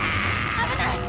危ない！